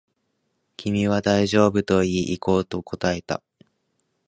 君は大丈夫と言い、行こうと答えた